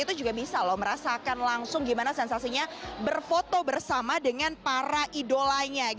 itu juga bisa loh merasakan langsung gimana sensasinya berfoto bersama dengan para idolanya